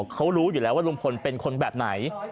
เขารู้อยู่แล้วว่าลุงพลเป็นคนแบบไหน